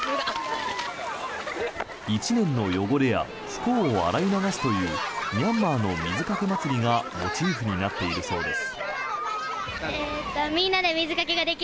１年の汚れや不幸を洗い流すというミャンマーの水かけ祭りがモチーフになっているそうです。